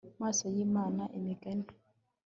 maso y Imana Imigani